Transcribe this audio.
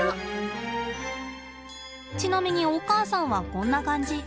ちなみにお母さんはこんな感じ。